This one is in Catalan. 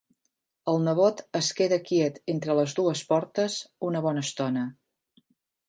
El nebot es queda quiet entre les dues portes una bona estona.